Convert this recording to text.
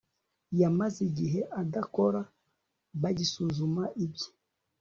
yamaze igihe adakora bagisuzuma ibye